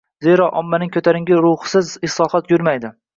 Zero, ommaning ko‘tarinki ruhisiz islohot yurmaydi.